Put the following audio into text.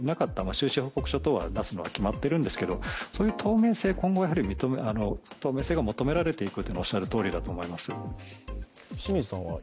収支報告書は出すのは決まっているんですが、今後は透明性が求められているのはおっしゃるとおりだと思います。